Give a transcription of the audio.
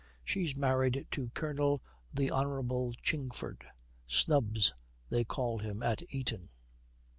She's married to Colonel the Hon. Chingford "Snubs," they called him at Eton.'